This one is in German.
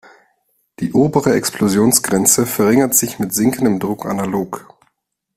Die obere Explosionsgrenze verringert sich mit sinkendem Druck analog.